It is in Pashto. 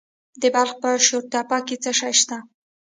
د بلخ په شورتپه کې څه شی شته؟